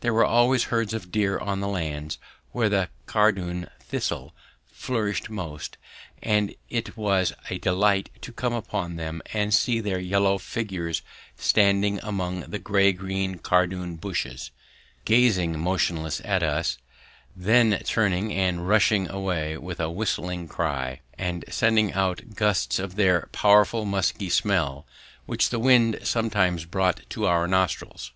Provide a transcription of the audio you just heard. There were always herds of deer on the lands where the cardoon thistle flourished most, and it was a delight to come upon them and to see their yellow figures standing among the grey green cardoon bushes, gazing motionless at us, then turning and rushing away with a whistling cry, and sending out gusts of their powerful musky smell, which the wind sometimes brought to our nostrils.